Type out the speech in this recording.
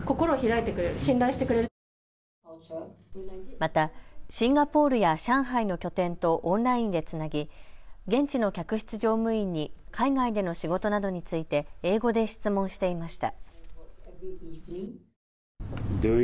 またシンガポールや上海の拠点とオンラインでつなぎ、現地の客室乗務員に海外での仕事などについて英語で質問していました。